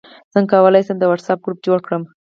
څنګه کولی شم د واټساپ ګروپ جوړ کړم